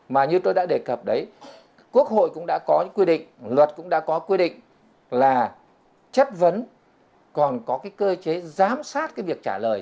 mà như tôi đã đề cập đấy quốc hội cũng đã có những quy định luật cũng đã có quy định là chất vấn còn có cái cơ chế giám sát cái việc trả lời